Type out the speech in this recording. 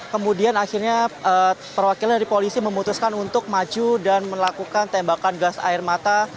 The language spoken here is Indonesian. kemudian akhirnya perwakilan dari polisi memutuskan untuk maju dan melakukan tembakan gas air mata